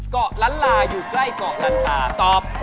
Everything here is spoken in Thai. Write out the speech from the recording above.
เกาะล้านลาอยู่ใกล้เกาะลันคาตอบ